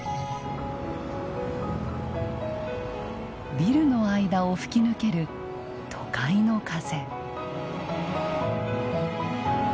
ビルの間を吹き抜ける都会の風。